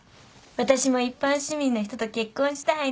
私も一般市民の人と結婚したいの。